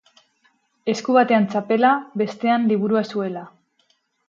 Esku batean txapela, bestean liburua zuela.